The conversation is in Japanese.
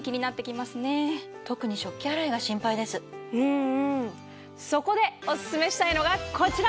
うんうんそこでおススメしたいのがこちら！